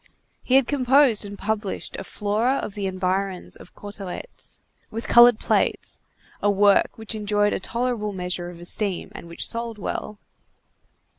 He had composed and published a Flora of the Environs of Cauteretz, with colored plates, a work which enjoyed a tolerable measure of esteem and which sold well.